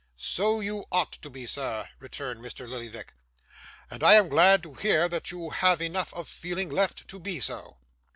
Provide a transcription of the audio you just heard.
'So you ought to be, sir,' returned Mr. Lillyvick; 'and I am glad to hear that you have enough of feeling left to be so.